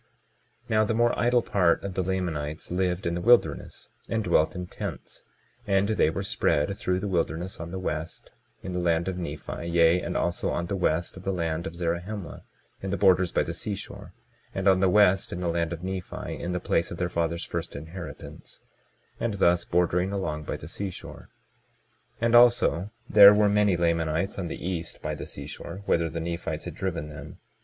22:28 Now, the more idle part of the Lamanites lived in the wilderness, and dwelt in tents; and they were spread through the wilderness on the west, in the land of Nephi; yea, and also on the west of the land of Zarahemla, in the borders by the seashore, and on the west in the land of Nephi, in the place of their fathers' first inheritance, and thus bordering along by the seashore. 22:29 And also there were many Lamanites on the east by the seashore, whither the Nephites had driven them.